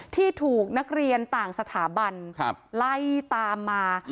ที่ถูกนักเรียนต่างสถาบันไล่ตามมา